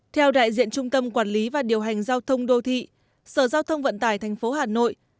theo đại diện trung tâm quản lý và điều hành giao thông đô thị sở giao thông vận tải tp hà nội